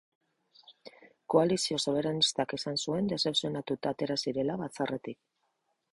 Koalizio soberanistak esan zuen dezepzionatuta atera zirela batzarretik.